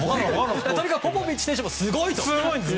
とにかくポポビッチ選手もすごいと。